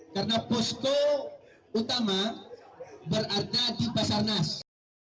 karena posko utama berada di basarnas